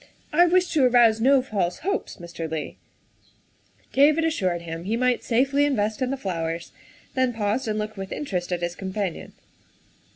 I wish to arouse no false hopes, Mr. Leigh." David assured him he might safely invest in the flowers, then paused and looked with interest at his companion.